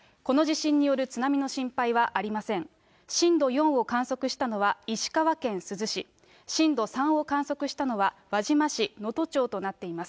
震度４を観測したのは石川県珠洲市、震度３を観測したのは輪島市、能登町となっています。